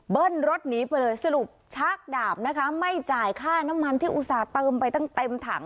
รถหนีไปเลยสรุปชักดาบนะคะไม่จ่ายค่าน้ำมันที่อุตส่าห์เติมไปตั้งเต็มถัง